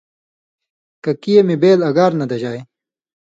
ککی اْے می بېل اگار نہ دژائ